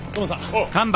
おう。